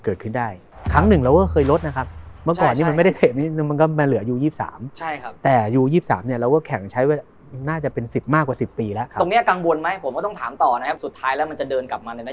ตรงนี้กังวลไหมผมก็ต้องถามต่อนะครับสุดท้ายแล้วมันจะเดินกลับมาในนโยบายไหน